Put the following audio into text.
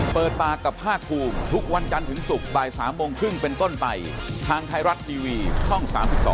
เปิดปากกับภาคภูมิทุกวันจันทร์ถึงศุกร์บ่าย๓โมงครึ่งเป็นต้นไปทางไทยรัฐทีวีช่อง๓๒